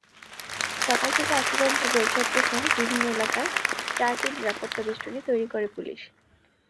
সকাল থেকে আশুগঞ্জ গোলচত্বরসহ বিভিন্ন এলাকায় চারটি নিরাপত্তাবেষ্টনী তৈরি করে পুলিশ।